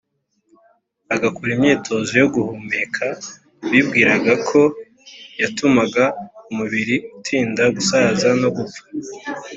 bagakora imyitozo yo guhumeka bibwiraga ko yatumaga umubiri utinda gusaza no gupfa.